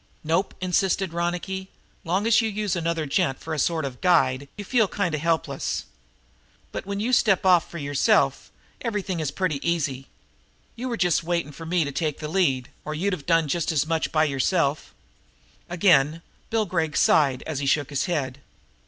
"Nope," insisted Ronicky. "Long as you use another gent for a sort of guide you feel kind of helpless. But, when you step off for yourself, everything is pretty easy. You just were waiting for me to take the lead, or you'd have done just as much by yourself." Again Bill Gregg sighed, as he shook his head.